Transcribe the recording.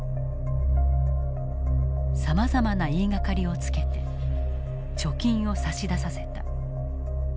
さまざまな言いがかりをつけて貯金を差し出させた。